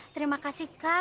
terima kasih kang